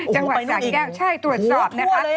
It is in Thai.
จังหวัดสาแก้วใช่ตรวจสอบนะคะ